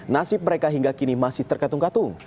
nasib mereka hingga kini masih terkatung katung